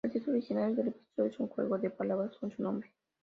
El título original del episodio es un juego de palabras con su nombre.